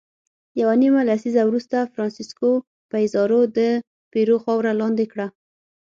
یوه نیمه لسیزه وروسته فرانسیسکو پیزارو د پیرو خاوره لاندې کړه.